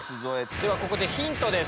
ではここでヒントです。